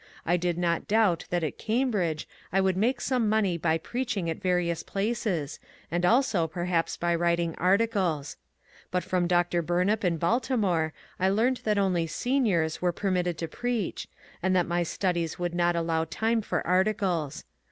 I did not doubt that at Cambridge I could make some money by preaching at various places, and also perhaps by writing articles. But from Dr. Bumap in Baltimore I learned that only Seniors were per mitted to preach, and that my studies would not allow time for articles.